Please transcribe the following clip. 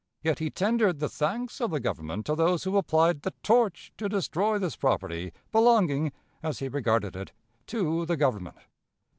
Yet he tendered the thanks of the Government to those who applied the torch to destroy this property belonging, as he regarded it, to the Government.